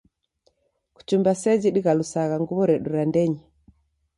Kuchumba seji dighalusagha nguw'o redu ra ndenyi